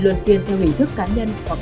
luân phiên theo hình thức cá nhân hoặc